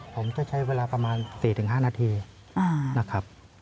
ผมจะใช้เวลาประมาณ๔๕นาทีนะครับ